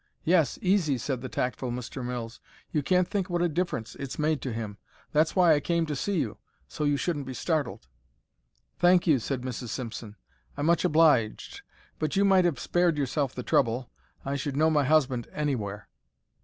"Yes, easy," said the tactful Mr. Mills. "You can't think what a difference it's made to him. That's why I came to see you—so you shouldn't be startled." "Thank you," said Mrs. Simpson. "I'm much obliged. But you might have spared yourself the trouble. I should know my husband anywhere."